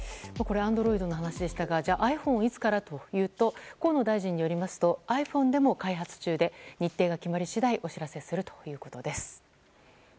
Ａｎｄｒｏｉｄの話でしたがじゃあｉＰｈｏｎｅはいつからというと河野大臣によりますとｉＰｈｏｎｅでも開発中で日程が決まり次第お知らせするということです。